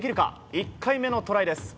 １回目のトライ。